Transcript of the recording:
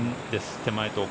手前と奥。